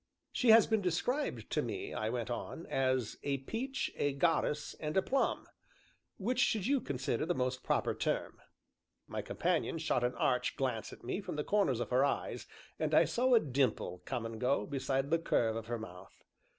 "She has been described to me," I went on, "as a Peach, a Goddess, and a Plum; which should you consider the most proper term?" My companion shot an arch glance at me from the corners of her eyes, and I saw a dimple come and go, beside the curve of her mouth.